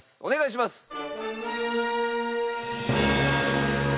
お願いします。